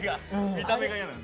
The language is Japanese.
見た目が嫌なんだ。